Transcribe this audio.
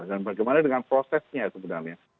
dan bagaimana dengan prosesnya sebenarnya